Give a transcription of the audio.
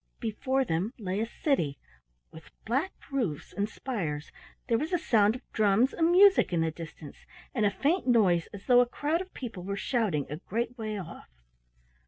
Before them lay a city with black roofs and spires; there was a sound of drums and music in the distance, and a faint noise as though a crowd of people were shouting a great way off.